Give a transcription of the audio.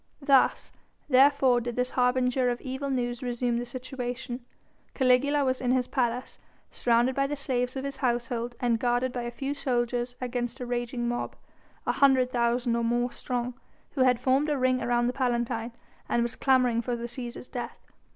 Thus, therefore, did this harbinger of evil news resume the situation. Caligula was in his palace, surrounded by the slaves of his household and guarded by a few soldiers against a raging mob an hundred thousand or more strong who had formed a ring around the Palatine, and was clamouring for the Cæsar's death.